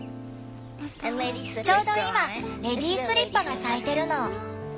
ちょうど今レディースリッパが咲いてるの。